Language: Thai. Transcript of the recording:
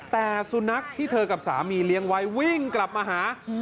แต่สุนัขที่เธอกับสามีเลี้ยงไว้วิ่งกลับมาหา